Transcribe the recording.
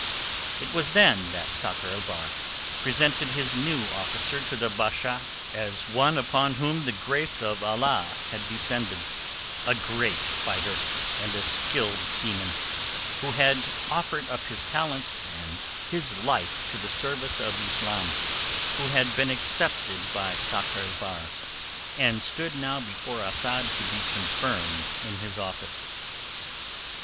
It was then that Sakr el Bahr presented his new officer to the Bashal as one upon whom the grace of Allah had descended, a great fighter and a skilled seaman, who had offered up his talents and his life to the service of Islam, who had been accepted by Sakr el Bahr, and stood now before Asad to be confirmed in his office.